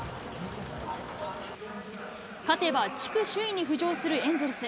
勝てば地区首位に浮上するエンゼルス。